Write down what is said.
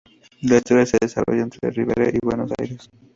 La historia se desarrolla entre Rivera y Buenos Aires.